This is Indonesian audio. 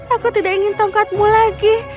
aku tidak ingin tongkatmu lagi